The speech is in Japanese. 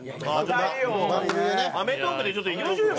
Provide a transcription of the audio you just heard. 『アメトーーク』で行きましょうよ